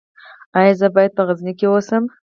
ایا زه باید په غزني کې اوسم؟